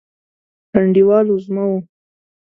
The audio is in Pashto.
انډیوال وزمه و